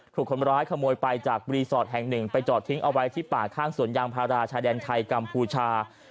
ถูกคนร้ายขโมยไปจากรีสอร์ทแห่งหนึ่งไปจอดทิ้งเอาไว้ที่ป่าข้างสวนยางพาราชายแดนไทยกัมพูชา